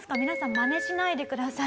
まねしないでください。